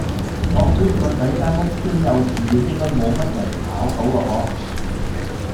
我估你個仔嗰間屋邨幼稚園應該冇乜人考到啊可